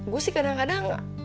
gue sih kadang kadang